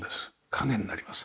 陰になります。